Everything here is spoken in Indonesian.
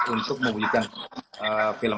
untuk membunyikan film